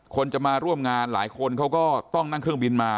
คนจะมาร่วมงานหลายคนเขาก็ต้องนั่งเครื่องบินมา